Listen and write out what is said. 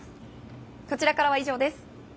こちらからは以上です。